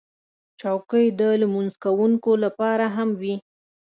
چوکۍ د لمونځ کوونکو لپاره هم وي.